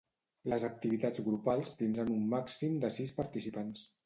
Les activitats grupals tindran un màxim de sis participants.